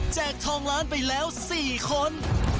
ทองล้านไปแล้ว๔คน